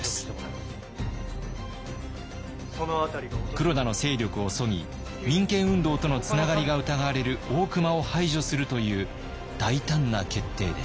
黒田の勢力をそぎ民権運動とのつながりが疑われる大隈を排除するという大胆な決定でした。